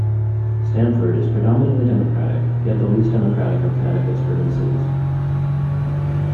Stamford is predominantly Democratic, yet the least Democratic of Connecticut's urban cities.